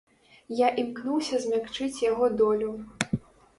Я імкнуўся змякчыць яго долю.